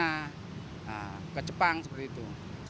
ke china ke jepang seperti itu